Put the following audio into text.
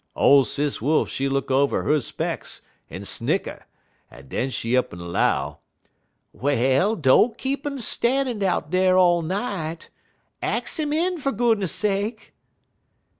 "Ole Sis Wolf she look over 'er specks, en snicker, en den she up'n 'low: "'Well, don't keep 'im stannin' out dar all night. Ax 'im in, fer goodness sake.'